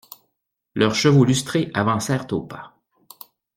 Leurs chevaux lustrés avancèrent au pas.